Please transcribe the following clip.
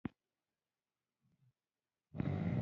عطرونه د پوستکي له تودوخې سره فعال کیږي.